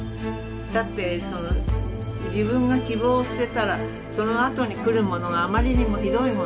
だって自分が希望を捨てたらそのあとに来るものがあまりにもひどいもの